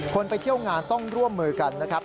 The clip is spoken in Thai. ไปเที่ยวงานต้องร่วมมือกันนะครับ